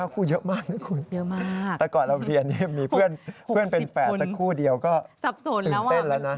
คู่เยอะมากนะคุณเยอะมากแต่ก่อนเราเรียนมีเพื่อนเป็นแฝดสักคู่เดียวก็ตื่นเต้นแล้วนะ